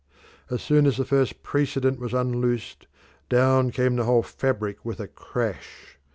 As soon as the first precedent was unloosed, down came the whole fabric with a crash.